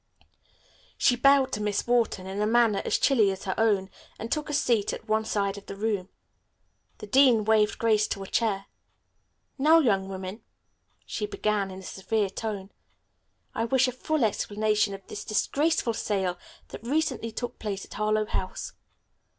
She bowed to Miss Wharton in a manner as chilly as her own and took a seat at one side of the room. The dean waved Grace to a chair. "Now, young women," she began in a severe tone, "I wish a full explanation of this disgraceful sale that recently took place at Harlowe House.